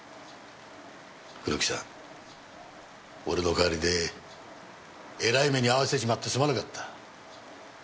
黒木さん俺の代わりでえらい目に遭わせちまってすまなかった。